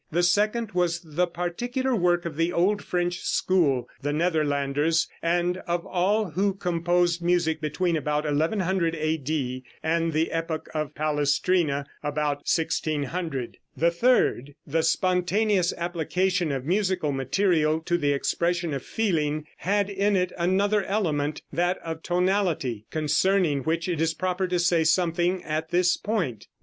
The second was the particular work of the old French school, the Netherlanders, and of all who composed music between about 1100 A.D. and the epoch of Palestrina, about 1600. The third, the spontaneous application of musical material to the expression of feeling, had in it another element, that of tonality, concerning which it is proper to say something at this point.